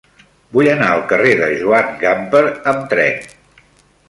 Vull anar al carrer de Joan Gamper amb tren.